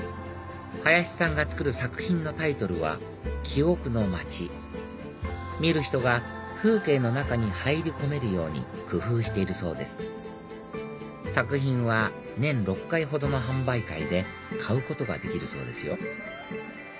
林さんが作る作品のタイトルは『記憶のまち』見る人が風景の中に入り込めるように工夫しているそうです作品は年６回ほどの販売会で買うことができるそうですよ